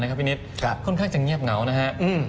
ค่อนข้างจะเงียบเหงานะครับ